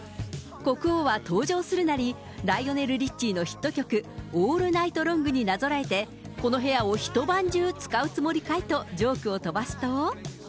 国王は登場するなり、ライオネル・リッチーのヒット曲、オール・ナイト・ロングになぞらえて、この部屋を一晩中使うつもりかい？とジョークを飛ばすと。